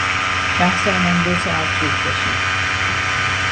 بحث آنان دو ساعت طول کشید.